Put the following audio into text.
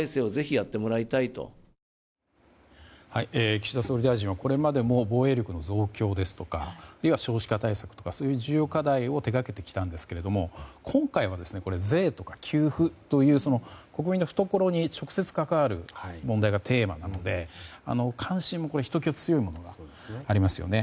岸田総理大臣はこれまでも防衛力の増強ですとか少子化対策そういう重要課題を手掛けてきましたが今回は税とか給付という国民の懐に直接関わる問題がテーマなので関心は、ひときわ強いものがありますよね。